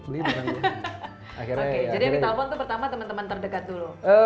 jadi yang ditawarin pertama teman teman terdekat dulu